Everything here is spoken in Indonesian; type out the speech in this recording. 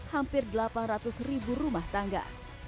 hampir delapan ratus ribu rumah tangga